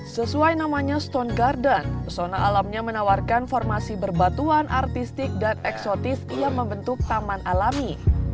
sesuai namanya stone garden pesona alamnya menawarkan formasi berbatuan artistik dan eksotis yang membentuk taman alami